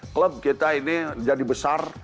klub kita ini jadi besar